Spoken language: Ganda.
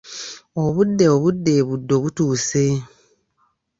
Obudde obudda e Buddo butuuse.